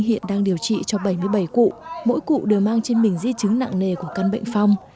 hiện đang điều trị cho bảy mươi bảy cụ mỗi cụ đều mang trên mình di chứng nặng nề của căn bệnh phong